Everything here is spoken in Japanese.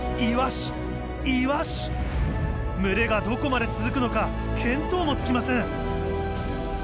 群れがどこまで続くのか見当もつきません。